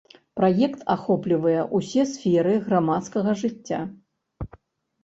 Праект ахоплівае ўсе сферы грамадскага жыцця.